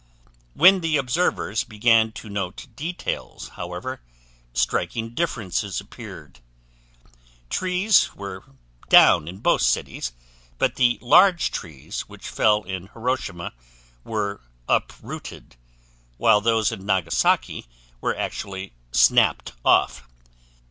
When the observers began to note details, however, striking differences appeared. Trees were down in both cities, but the large trees which fell in Hiroshima were uprooted, while those in Nagasaki were actually snapped off.